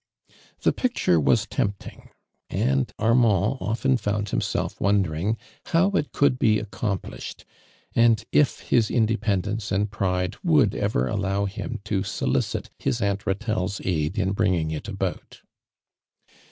The picture was tempting and, Armand often found himself wondering how it could be accomplished, and if his independence «nd pride would ever allow him to solicit his Aunt Rjitelle's aid in bringing it about.